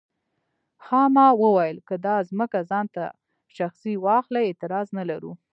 خاما وویل که دا ځمکه ځان ته شخصي واخلي اعتراض نه لرو.